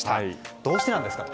どうしてなんですか？と。